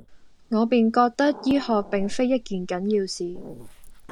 我便覺得醫學並非一件緊要事，